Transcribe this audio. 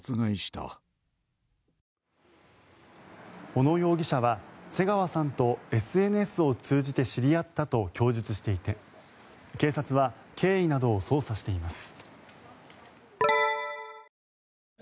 小野容疑者は瀬川さんとＳＮＳを通じて知り合ったと供述していて警察は経緯などを捜査しています。